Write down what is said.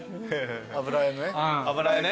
油絵のね。